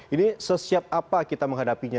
ini sesiap apa kita menghadapinya